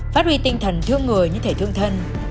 phát huy tinh thần thương người như thể thương thân